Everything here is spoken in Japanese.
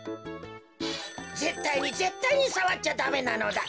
☎ぜったいにぜったいにさわっちゃダメなのだ。